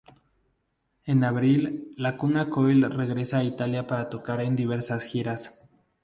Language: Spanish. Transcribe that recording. En abril, Lacuna Coil regresa a Italia para tocar en diversas giras.